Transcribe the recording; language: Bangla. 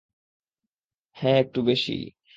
হা, একটু বেশিই।